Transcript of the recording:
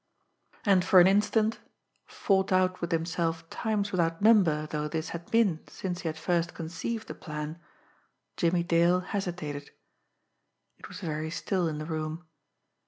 And for an instant, fought out with himself times without number though this had been since he had first conceived the plan, Jimmie Dale hesitated. It was very still in the room.